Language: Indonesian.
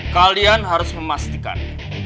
kalian harus memastikan